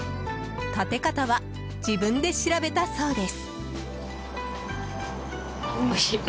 立て方は自分で調べたそうです。